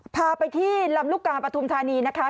พาไปที่ลำลูกกาปฐุมธานีนะคะ